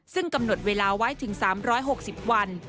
ซึ่งกำหนดเวลาไว้ถึง๓๖๐วัน